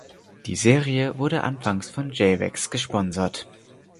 Die Serie wurde anfangs von "J-Wax" gesponsert.